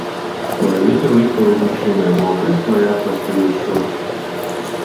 Vai viņi lika lidmašīnai nokrist, lai atvestu jūs šurp?